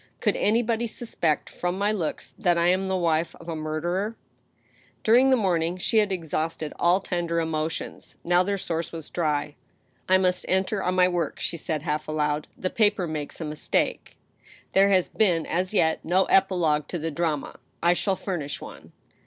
Could anybody suspect, from my looks, that I am the wife of a murderer ?" During the morning she had exhausted all tender emotions. Now their source was dry. " I must enter on my work," she said, half aloud. " The paper makes a mistake. There has been as yet no epilogue to the drama. I shall furnish one."